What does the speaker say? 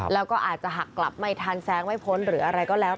แล้วก็อาจจะหักกลับไม่ทันแซงไม่พ้นหรืออะไรก็แล้ว